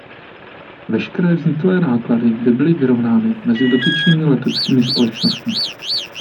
Veškeré vzniklé náklady by byly vyrovnány mezi dotyčnými leteckými společnostmi.